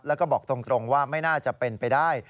แล้วก็บอกตรงว่าไม่น่าจะเป็นไปได้